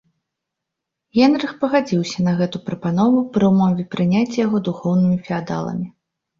Генрых пагадзіўся на гэту прапанову, пры ўмове прыняцця яго духоўнымі феадаламі.